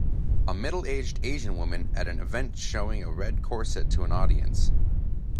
A middleaged asian woman at an event showing a red corset to an audience.